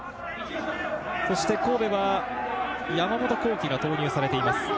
神戸は山本幸輝が投入されています。